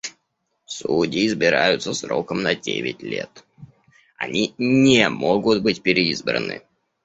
Судьи избираются сроком на девять лет. Они не могут быть переизбраны.